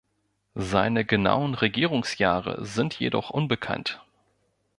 Seine genauen Regierungsjahre sind jedoch unbekannt.